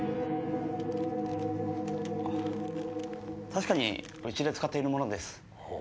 確かにうちで使っているものです。